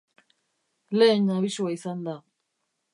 Lehen abisua izan da.